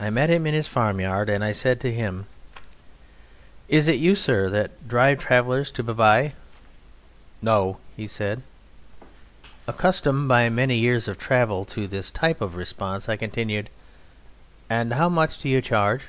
I met him in his farmyard, and I said to him: "Is it you, sir, that drive travellers to Bavai?" "No," said he. Accustomed by many years of travel to this type of response, I continued: "How much do you charge?"